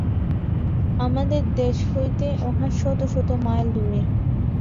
তোমাদের দেশ হইতে উহা শত শত মাইল দূরে।